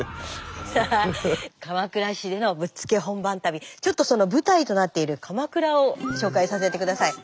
さあ鎌倉市でのぶっつけ本番旅ちょっとその舞台となっている鎌倉を紹介させて下さい。